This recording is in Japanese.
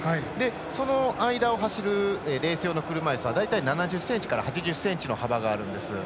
その間を走るレース用の車いすは大体７０ｃｍから８０ｃｍの幅があるんです。